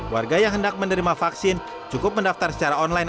warga yang hendak menerima vaksin cukup mendaftar secara online